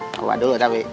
bawa dulu tapi